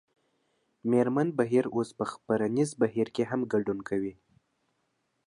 مېرمن بهیر اوس په خپرنیز بهیر کې هم ګډون کوي